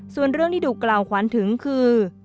ส่วนเรื่องที่ถูกกล่าวขวัญถึงคือ